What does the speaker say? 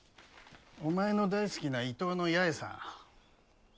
お前の大好きな伊東の八重さん。